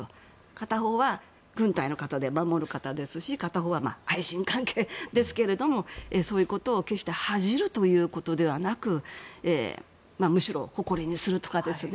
片方が軍隊の方で守る方ですし片方は愛人関係ですがそういうことを決して恥じるということではなくむしろ誇りにするとかですね